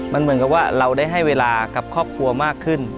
มันเหมือนกับว่าเราได้ให้เวลากับครอบครัวมากขึ้น